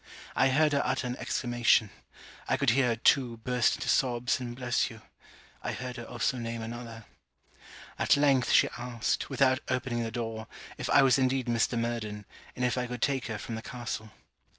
I heard her utter an exclamation I could hear her too burst into sobs and bless you. I heard her also name another. At length she asked, without opening the door, if I was indeed Mr. Murden, and if I could take her from the castle.